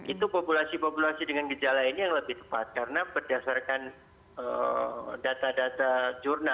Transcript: itu populasi populasi dengan gejala ini yang lebih tepat karena berdasarkan data data jurnal